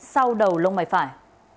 sau đầu lông mày phải